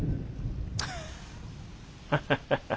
ハッハハハ。